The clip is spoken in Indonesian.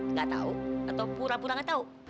nggak tahu atau pura pura nggak tahu